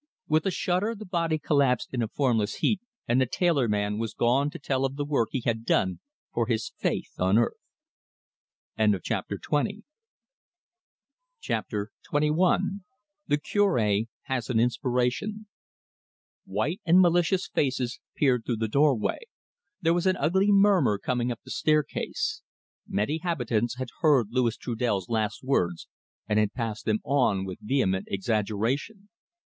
With a shudder the body collapsed in a formless heap, and the tailor man was gone to tell of the work he had done for his faith on earth. CHAPTER XXI. THE CURE HAS AN INSPIRATION White and malicious faces peered through the doorway. There was an ugly murmur coming up the staircase. Many habitants had heard Louis Trudel's last words, and had passed them on with vehement exaggeration.